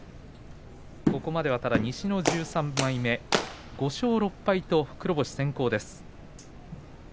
ここまでただ西の１３枚目５勝６敗、黒星先行です。